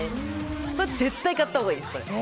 これは絶対買ったほうがいいです。